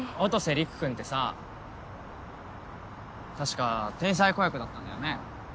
陸君ってさ確か天才子役だったんだよね？